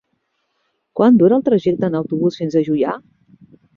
Quant dura el trajecte en autobús fins a Juià?